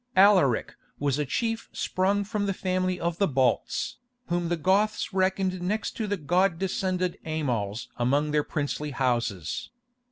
Alaric was a chief sprung from the family of the Balts, whom the Goths reckoned next to the god descended Amals among their princely houses.